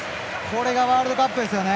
これがワールドカップです。